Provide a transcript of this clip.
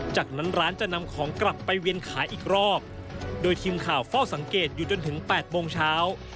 จากนั้นร้านจะนำของกลับไปเวียนขายอีกรอบโดยทีมข่าวเฝ้าสังเกตอยู่จนถึง๘โมงเช้า